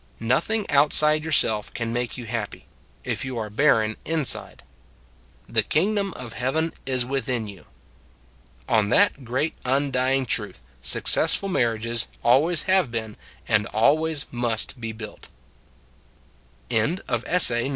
Nothing outside yourself can make you happy, if you are barren inside. " The kingdom of heaven is within you." On that great undying truth successful marriages always have been and always must be built.